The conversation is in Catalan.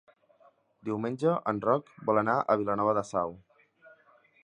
Diumenge en Roc vol anar a Vilanova de Sau.